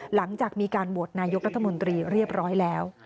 หลังจากมีการโหวตนายกรัฐมนตรีเรียบร้อยแล้ว